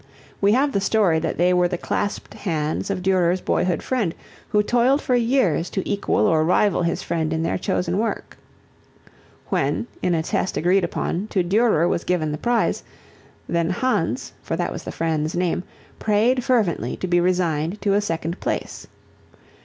We have the story that they were the clasped hands of Durer's boyhood friend who toiled for years to equal or rival his friend in their chosen work. When, in a test agreed upon, to Durer was given the prize, then Hans, for that was the friend's name, prayed fervently to be resigned to a second place.